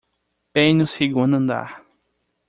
Bem no segundo andar.